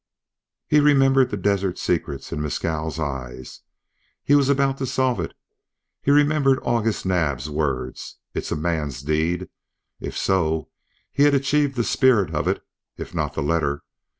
He remembered the desert secret in Mescal's eyes; he was about to solve it. He remembered August Naab's words: "It's a man's deed!" If so, he had achieved the spirit of it, if not the letter.